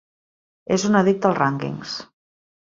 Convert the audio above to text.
És un addicte als rànquings.